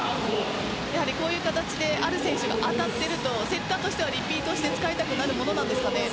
こういう形である選手が当たっているとセッターとしてはリピートして使いたくなるものなんですか？